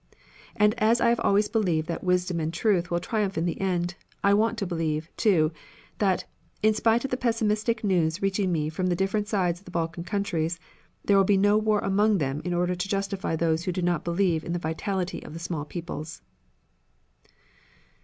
And as I always believed that wisdom and truth will triumph in the end, I want to believe, too, that, in spite of the pessimistic news reaching me from the different sides of the Balkan countries, there will be no war among them in order to justify those who do not believe in the vitality of the small peoples."